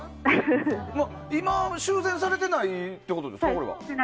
今も修繕されてないってことですか？